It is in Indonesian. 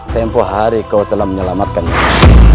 tempoh hari kau telah menyelamatkan diri